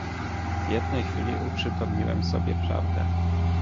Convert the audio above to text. "W jednej chwili uprzytomniłem sobie prawdę."